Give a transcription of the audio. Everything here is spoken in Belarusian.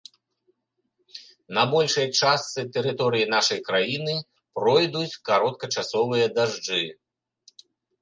На большай частцы тэрыторыі нашай краіны пройдуць кароткачасовыя дажджы.